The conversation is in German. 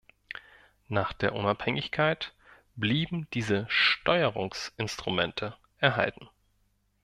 Nach der Unabhängigkeit blieben diese Steuerungsinstrumente erhalten.